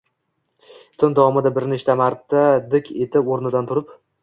tun davomida bir necha marta dik etib o‘rnidan turib